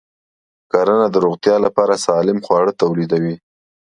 کرنه د روغتیا لپاره سالم خواړه تولیدوي.